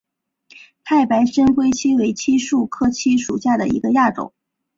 太白深灰槭为槭树科槭属下的一个亚种。